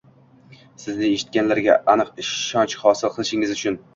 sizni eshitganlariga aniq ishonch hosil qilishingiz uchun